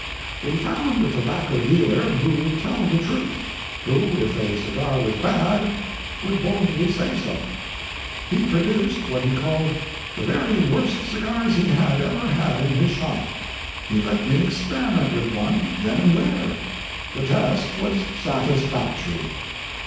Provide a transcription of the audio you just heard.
We found a tobacco dealer who would tell the truth—who, if a cigar was bad, would boldly say so. He produced what he called the very worst cigars he had ever had in his shop. He let me experiment with one then and there. The test was satisfactory.